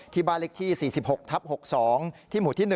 ที่บ้านเล็กที่๔๖๖๒ที่หมู่ที่๑